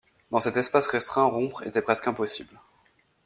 Dans cet espace restreint, rompre était presque impossible.